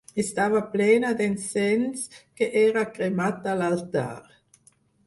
Estava plena d'encens que era cremat a l'altar.